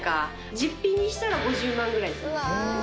実費にしたら５０万ぐらいですね。